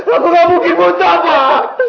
aku gak mungkin buta pak